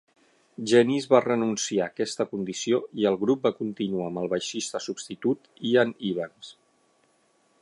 Jenness va renunciar a aquesta condició i el grup va continuar amb el baixista substitut Ean Evans.